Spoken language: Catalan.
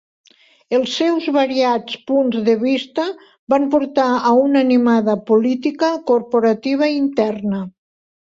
Els seus variats punts de vista van portar a una animada política corporativa interna.